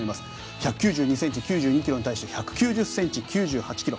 １９２ｃｍ、９２ｋｇに対して１９０ｃｍ、９８ｋｇ。